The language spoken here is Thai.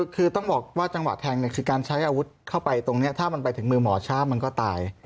คือต้องบอกว่าจังหวะแทงเนี่ยคือการใช้อาวุธเข้าไปตรงนี้ถ้ามันไปถึงมือหมอช้ามันก็ตาย